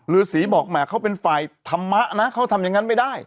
ฤษีบอกแหมเขาเป็นฝ่ายธรรมะนะเขาทำอย่างนั้นไม่ได้